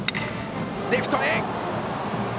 レフトへ！